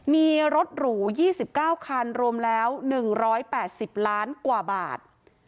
มีรถหรู๒๙คันรวมแล้ว๑๘๐ล้านกว่าบาท